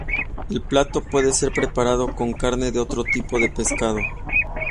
El plato puede ser preparado con carne de otro tipo de pescado.